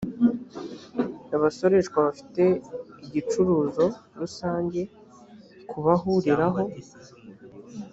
abasoreshwa bafite igicuruzo rusange kubahuriraho.